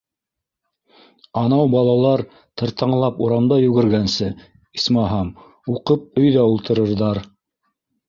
Анау балалар тыртаңлап урамда йүгергәнсе, исмаһам, уҡып, өйҙә ултырырҙар.